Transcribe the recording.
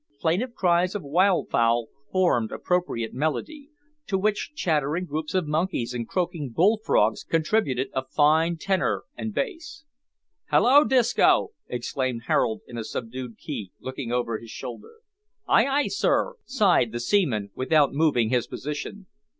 Plaintive cries of wild fowl formed appropriate melody, to which chattering groups of monkeys and croaking bull frogs contributed a fine tenor and bass. "Hallo, Disco!" exclaimed Harold in a subdued key, looking over his shoulder. "Ay, ay, sir?" sighed the seaman, without moving his position.